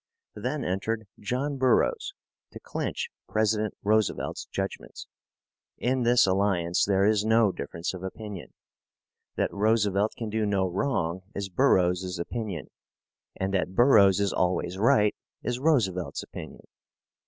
Then entered John Burroughs to clinch President Roosevelt's judgments. In this alliance there is no difference of opinion. That Roosevelt can do no wrong is Burroughs's opinion; and that Burroughs is always right is Roosevelt's opinion.